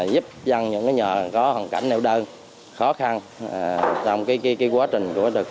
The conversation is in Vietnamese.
giúp dân những nhà có hoàn cảnh nêu đơn